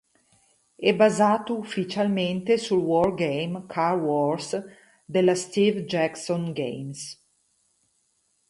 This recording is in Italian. È basato ufficialmente sul wargame "Car Wars" della Steve Jackson Games.